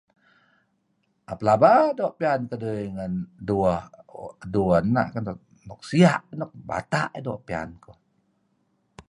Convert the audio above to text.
Pelaba doo' piyan keduih ngen dueh dueh na' keleh , sia', nuk bata' doo' piyan kuh.